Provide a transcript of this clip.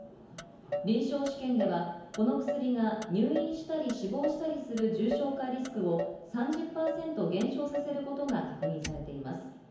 臨床試験ではこの薬が入院したり死亡したりする重症化リスクを３０％減少させることが確認されています。